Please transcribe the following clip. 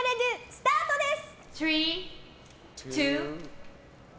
スタートです！